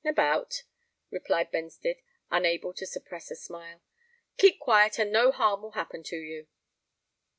"About," replied Benstead, unable to suppress a smile. "Keep quiet, and no harm will happen to you."